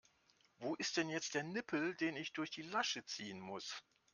Wo ist denn jetzt der Nippel, den ich durch die Lasche ziehen muss?